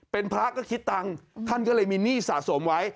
เป็นพระก็คิดตังค์ท่านก็เลยมีหนี้สะสมไว้